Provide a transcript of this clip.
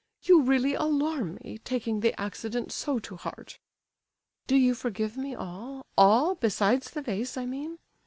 You really alarm me, taking the accident so to heart." "Do you forgive me all—all, besides the vase, I mean?"